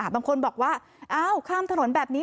บางคนบอกว่าอ้าวข้ามถนนแบบนี้